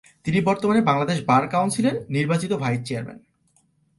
তিনি বর্তমানে বাংলাদেশ বার কাউন্সিলের নির্বাচিত ভাইস চেয়ারম্যান।